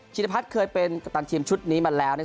ฉินตาพัสเคยเป็นกัปตันทีมชุดนี้มาแล้ว